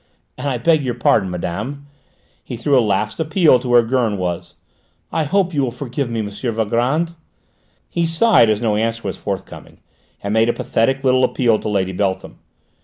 And I beg your pardon, madame." He threw a last appeal to where Gurn sat. "I hope you will forgive me, M. Valgrand?" He sighed as no answer was forthcoming, and made a pathetic little appeal to Lady Beltham.